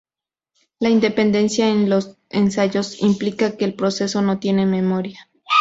La independencia de los ensayos implica que el proceso no tiene memoria.